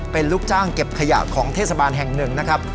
เป็นลูกจ้างเก็บขยะของเทศบาลแห่งหนึ่งนะครับ